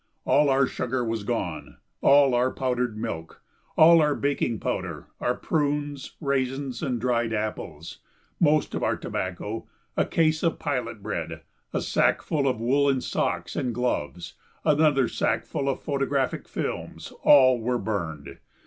All our sugar was gone, all our powdered milk, all our baking powder, our prunes, raisins, and dried apples, most of our tobacco, a case of pilot bread, a sack full of woollen socks and gloves, another sack full of photographic films all were burned.